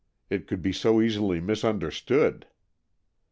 " It could be so easily misunderstood."